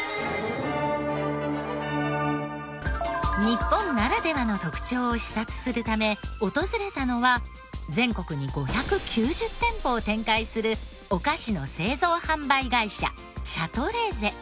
日本ならではの特徴を視察するため訪れたのは全国に５９０店舗を展開するお菓子の製造販売会社シャトレーゼ。